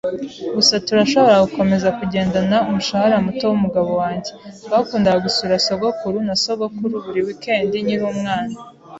Gusa turashobora gukomeza kugendana umushahara muto wumugabo wanjye. Twakundaga gusura sogokuru na sogokuru buri wikendi nkiri umwana.